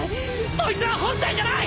そいつは本体じゃない！